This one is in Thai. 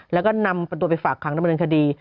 แล้วก็นำตัวไปฝากขังดำเนินคดี